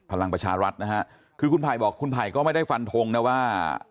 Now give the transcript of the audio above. พลังประชารัฐคือคุณพัยบอกที่ไม่ได้ฟันทงนะว่า